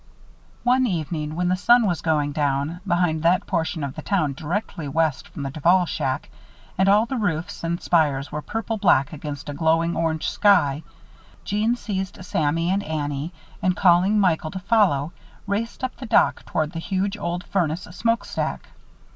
One evening, when the sun was going down behind that portion of the town directly west from the Duval shack; and all the roofs and spires were purple black against a glowing orange sky, Jeanne seized Sammy and Annie; and, calling Michael to follow, raced up the dock toward the huge old furnace smoke stack.